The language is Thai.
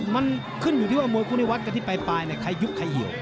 มันขึ้นอยู่ที่มวยคุณิวัฒน์กระทิตายไปในคายุธไข่หิว